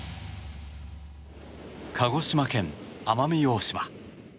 鹿児島県奄美大島。